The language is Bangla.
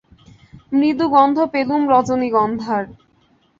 মৃদুগন্ধ পেলুম রজনীগন্ধার।